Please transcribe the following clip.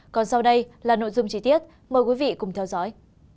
còn sau đây là nội dung chi tiết mời quý vị cùng theo dõi